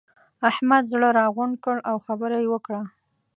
احمد زړه راغونډ کړ؛ او خبره يې وکړه.